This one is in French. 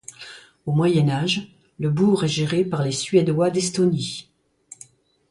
Au Moyen Âge, le bourg est géré par les Suédois d'Estonie.